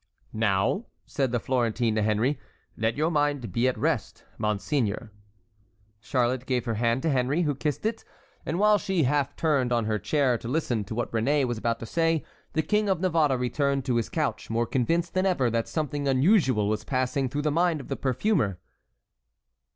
"Now," said the Florentine to Henry. "Let your mind be at rest, monseigneur." Charlotte gave her hand to Henry, who kissed it, and while she half turned on her chair to listen to what Réné was about to say, the King of Navarre returned to his couch, more convinced than ever that something unusual was passing through the mind of the perfumer.